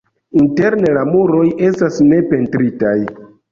Interne la muroj estas ne pentritaj.